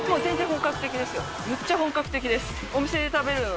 めっちゃ本格的です。